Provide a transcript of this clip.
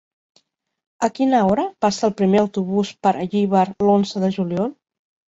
A quina hora passa el primer autobús per Llíber l'onze de juliol?